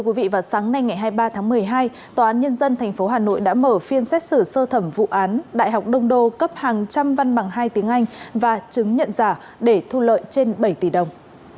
hôm nay ngày hai mươi ba tháng một mươi hai tòa án nhân dân thành phố hà nội đã mở phiên xét xử sơ thẩm vụ án đại học đông đô cấp hàng trăm văn bằng hai tiếng anh và chứng nhận giả để thu lợi trên bảy tỷ đồng